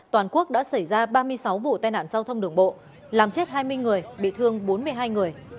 toàn quốc đã xảy ra ba mươi sáu vụ tai nạn giao thông đường bộ làm chết hai mươi người bị thương bốn mươi hai người